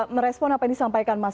merespon apa ini sampaikan mas